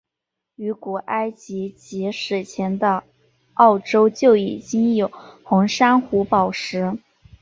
于古埃及及史前的欧洲就已经有红珊瑚宝石。